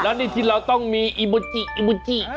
แล้วจริงเราต้องมีอิโบจิ